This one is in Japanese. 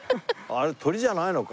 あれ鳥じゃないのか？